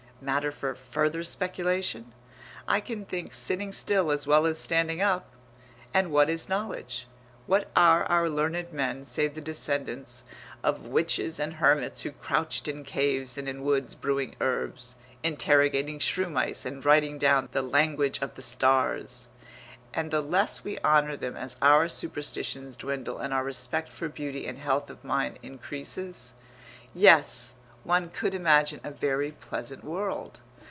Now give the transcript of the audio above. Matter for further speculation? I can think sitting still as well as standing up. And what is knowledge? What are our learned men save the descendants of witches and hermits who crouched in caves and in woods brewing herbs, interrogating shrew mice and writing down the language of the stars? And the less we honour them as our superstitions dwindle and our respect for beauty and health of mind increases.... Yes, one could imagine a very pleasant world.